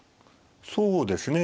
そうですね。